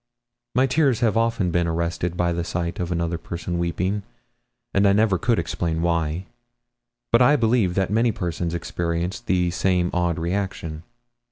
My tears have often been arrested by the sight of another person weeping, and I never could explain why. But I believe that many persons experience the same odd reaction.